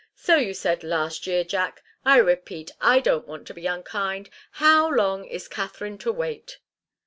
"So you said last year, Jack. I repeat I don't want to be unkind. How long is Katharine to wait?"